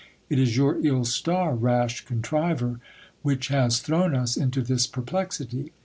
It is your ill star, rash contriver, which has hrown us into this perplexity.